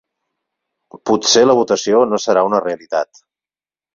Potser la votació no serà una realitat.